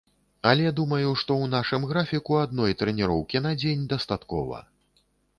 Але думаю, што ў нашым графіку адной трэніроўкі на дзень дастаткова.